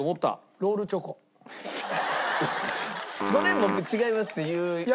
それ僕違いますって言うほど。